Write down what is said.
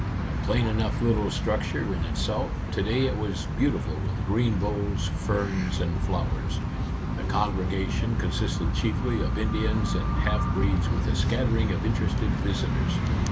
A plain enough little structure in itself, to day it was beautiful with green boughs, ferns, and flowers. The congregation consisted chiefly of Indians and half breeds, with a scattering of interested visitors.